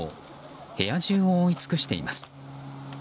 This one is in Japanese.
部屋中を覆い尽くしています。